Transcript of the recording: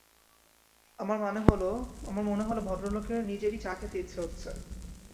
আমার মনে হল ভদ্রলোকের নিজেরই চা খেতে ইচ্ছে হচ্ছে!